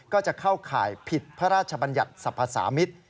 ก็จะเข้าข่ายผิดพระราชบัญญัติสรรพสามิตร